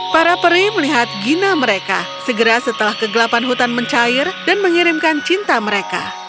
para peri melihat gina mereka segera setelah kegelapan hutan mencair dan mengirimkan cinta mereka